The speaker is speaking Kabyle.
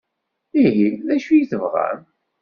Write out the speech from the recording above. Ihi d acu i tebɣam?